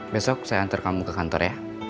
besok saya antar kamu ke kantor ya